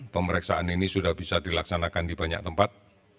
pemeriksaan ini sudah bisa dilaksanakan di banyak tempat